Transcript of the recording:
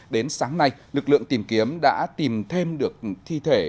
đến sáng nay lực lượng tìm kiếm đã tìm thêm được thi thể